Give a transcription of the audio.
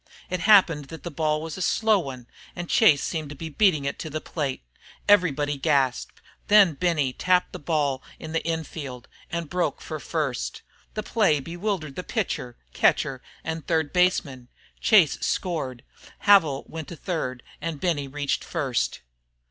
It happened that the ball was a slow one, and Chase seemed to be beating it to the plate. Everybody gasped. Then Benny tapped the ball down in the in field and broke for first. The play bewildered the pitcher, catcher, and third baseman. Chase scored, Havil went to third, and Benny reached first.